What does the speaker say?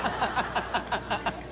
ハハハ